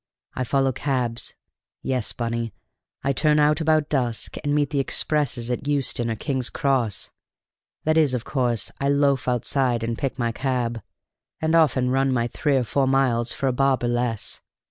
I follow cabs. Yes, Bunny, I turn out about dusk and meet the expresses at Euston or King's Cross; that is, of course, I loaf outside and pick my cab, and often run my three or four miles for a bob or less.